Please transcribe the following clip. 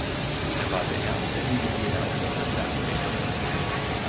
Er war der erste indigene Absolvent der Einrichtung.